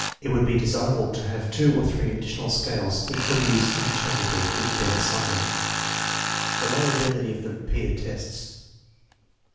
It would be desirable to have two or three additional scales which could be used interchangeably with the Binet Simon. Reliability of repeated tests.